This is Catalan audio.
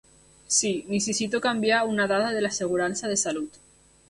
Sí, necessito canviar una dada de l'assegurança de salut.